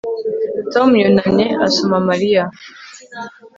Tom yunamye asoma Mariya